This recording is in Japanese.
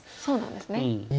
そうなんですね。